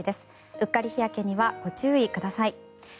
うっかり日焼けにはご注意ください。